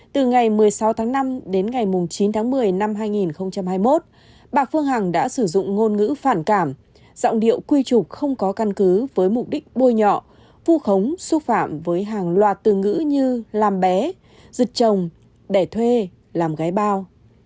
từ ngày một mươi sáu tháng năm đến ngày chín tháng một mươi năm hai nghìn hai mươi một bà phương hằng đã sử dụng ngôn ngữ phản cảm giọng điệu quy trục không có căn cứ với mục đích bôi nhọ vu khống xúc phạm với hàng loạt từ ngữ như làm bé rực trồng đẻ thuê làm gái bao